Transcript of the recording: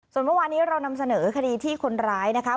ส่วนเมื่อวานี้เรานำเสนอคดีที่คนร้ายนะคะ